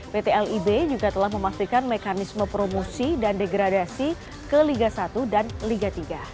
pt lib juga telah memastikan mekanisme promosi dan degradasi ke liga satu dan liga tiga